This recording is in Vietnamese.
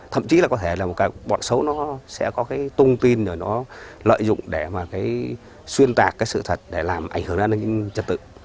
thậm chí là có thể là một cái bọn xấu nó sẽ có cái thông tin rồi nó lợi dụng để mà cái xuyên tạc cái sự thật để làm ảnh hưởng